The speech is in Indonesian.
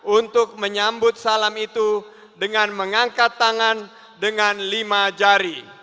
untuk menyambut salam itu dengan mengangkat tangan dengan lima jari